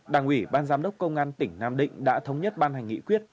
đảng ủy ban giám đốc công an tỉnh nam định đã thống nhất ban hành nghị quyết